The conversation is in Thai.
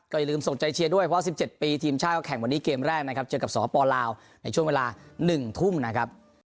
ก็อย่าลืมส่งใจเชียร์ด้วยเพราะว่า๑๗ปีทีมชาติก็แข่งวันนี้เกมแรกนะครับ